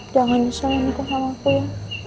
jangan nyesel nikah sama aku ya